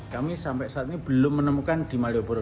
kami sampai saat ini belum menemukan di malioboro